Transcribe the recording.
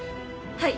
はい。